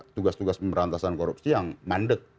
tugas tugas pemberantasan korupsi yang mandek